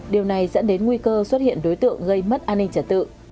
điều này dẫn đến nguy cơ xuất hiện đối tượng gây mất an ninh trật tự